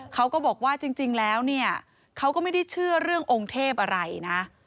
เขาก็บอกว่าจริงแล้วเนี่ยเขาก็ไม่ได้เชื่อเรื่ององค์เทพอะไรนะ